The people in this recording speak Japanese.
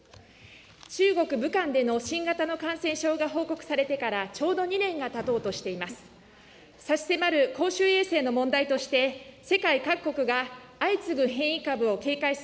中国・武漢での新型の感染症が報告されてから、ちょうど２年がたとうとしています。